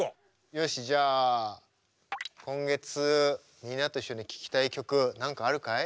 よしじゃあ今月みんなと一緒に聴きたい曲何かあるかい？